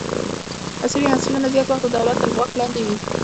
عصري نسلونه زیات وخت د دولت تر واک لاندې وو.